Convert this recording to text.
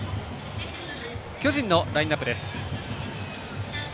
巨人のラインアップです。